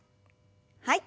はい。